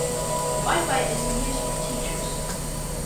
WiFi is in use for teachers.